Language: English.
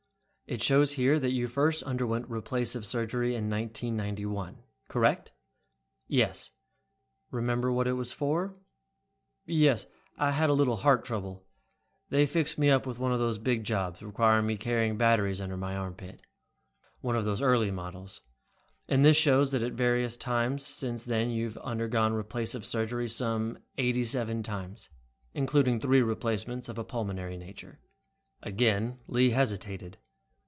"It shows here that you first underwent replacive surgery in 1991. Correct?" "Yes." "Remember what it was for?" "Yes, I had heart trouble. They fixed me up with one of those big jobs requiring my carrying batteries under my armpit." "One of those early models. And this shows that at various times since then you have undergone replacive surgery some eighty seven times, including three replacements of a pulmonary nature." Again Lee hesitated.